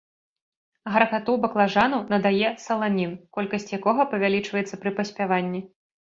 Гаркату баклажану надае саланін, колькасць якога павялічваецца пры паспяванні.